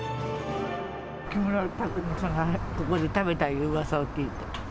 木村拓哉さんがここで食べたいううわさを聞いて。